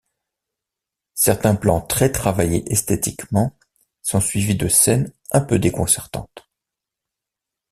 Certains plans très travaillés esthétiquement sont suivis de scènes un peu déconcertantes...